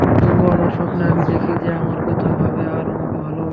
তবুও আমার স্বপ্নে, আমি দেখি যে আমার কথা ভাবে আর আমাকে ভালোবাসে।